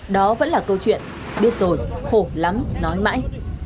đó vẫn là câu chuyện biết rồi khổ lắm nói mãi